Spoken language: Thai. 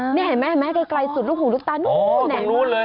ครับนี่เห็นไหมใกล้สุดลูกขู่ลูกตานู้นแหงมากเลย